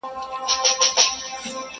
فرشتې زرغونوي سوځلي کلي؛